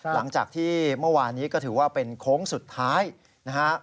หลังจากที่เมื่อวานนี้ก็ถือว่าเป็นโค้งสุดท้ายนะฮะ